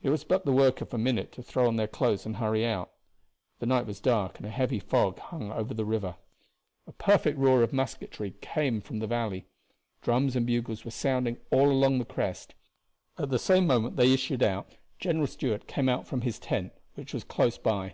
It was but the work of a minute to throw on their clothes and hurry out. The night was dark and a heavy fog hung over the river. A perfect roar of musketry came up from the valley. Drums and bugles were sounding all along the crest. At the same moment they issued out General Stuart came out from his tent, which was close by.